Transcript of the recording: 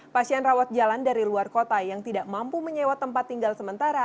pasien rawat jalan dari luar kota yang tidak mampu menyewa tempat tinggal sementara